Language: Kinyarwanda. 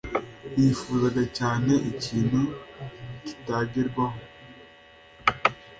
Nifuzaga cyane ikintu kitagerwaho.